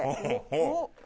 おっ。